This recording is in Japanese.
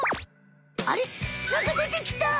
あれなんかでてきた！